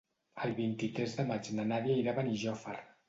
El vint-i-tres de maig na Nàdia irà a Benijòfar.